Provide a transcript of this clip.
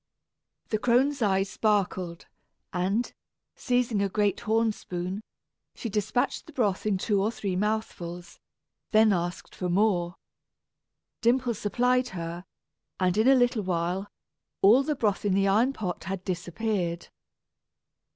The crone's eyes sparkled; and, seizing a great horn spoon, she despatched the broth in two or three mouthfuls, then asked for more. Dimple supplied her; and in a little while, all the broth in the iron pot had disappeared.